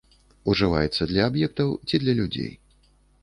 Ужываецца для аб'ектаў ці для людзей.